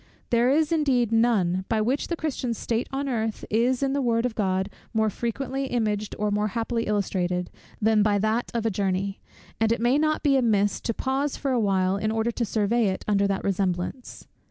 There is indeed none, by which the Christian's state on earth is in the word of God more frequently imaged, or more happily illustrated, than by that of a journey: and it may not be amiss to pause for a while in order to survey it under that resemblance.